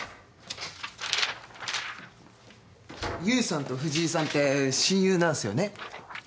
優さんと藤井さんって親友なんすよね？